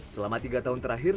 selama tiga tahun terakhir